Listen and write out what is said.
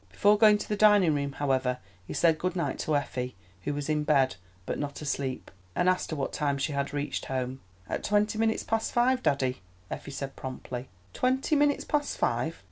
Before going to the dining room, however, he said good night to Effie—who was in bed, but not asleep—and asked her what time she had reached home. "At twenty minutes past five, daddy," Effie said promptly. "Twenty minutes past five!